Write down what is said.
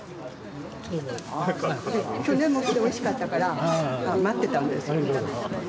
去年も来ておいしかったから待ってたんですよ。